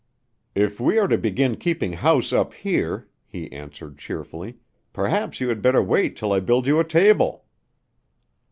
"If we are to begin keeping house up here," he answered cheerfully, "perhaps you had better wait till I build you a table."